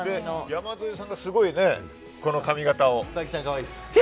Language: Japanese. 山添さんが、すごいこの髪形を。